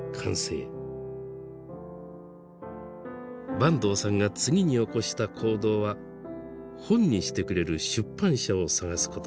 坂東さんが次に起こした行動は本にしてくれる出版社を探すことでした。